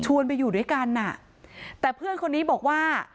ไปอยู่ด้วยกันอ่ะแต่เพื่อนคนนี้บอกว่า